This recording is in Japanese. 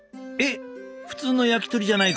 普通の焼き鳥じゃないかって？